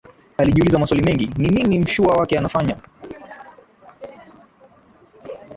Alijiuliza maswali mengi, ni nini mshua wake anafanya?